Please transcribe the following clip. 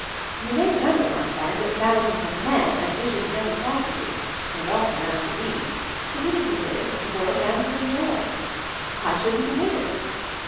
You may remember, my friend, that thousands of men, as vicious as any prostitutes, and often as diseased, continued to live, to work, and to enjoy. Why shouldn't the women?